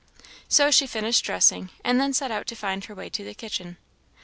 So she finished dressing, and then set out to find her way to the kitchen.